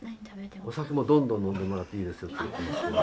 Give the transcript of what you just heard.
お酒もどんどん飲んでもらっていいです。